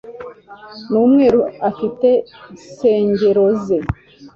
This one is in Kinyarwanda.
Ni umweru afite ku nsengero ze